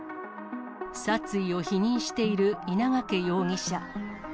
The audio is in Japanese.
殺意を否認している稲掛容疑者。